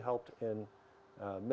apa pesan utama